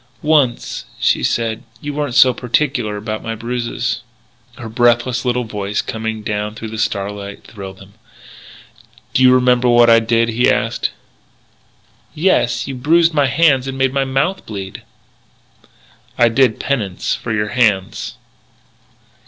"Once," she said, "you weren't so particular about my bruises." Her breathless little voice coming down through the starlight thrilled him. "Do you remember what I did?" he asked. "Yes. You bruised my hands and made my mouth bleed." "I did penance for your hands."